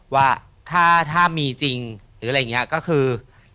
ว่าถ้ามีจริงหรืออะไรอย่างนี้ก็คือ